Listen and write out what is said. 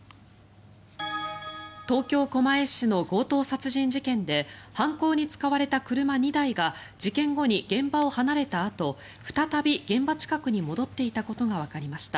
東京・狛江市の強盗殺人事件で犯行に使われた車２台が事件後に現場を離れたあと再び現場近くに戻っていたことがわかりました。